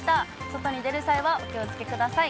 外に出る際はお気をつけください。